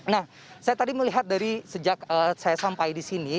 nah saya tadi melihat dari sejak saya sampai di sini